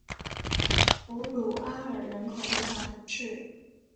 弗鲁阿尔人口变化图示